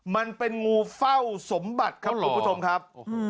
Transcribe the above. มันเป็นงูเฝ้าสมบัติครับคุณผู้ชมครับ